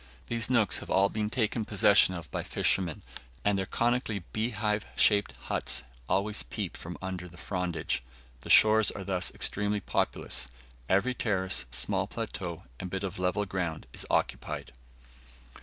These nooks have all been taken possession of by fishermen, and their conically beehive shaped huts always peep from under the frondage. The shores are thus extremely populous; every terrace, small plateau, and bit of level ground is occupied.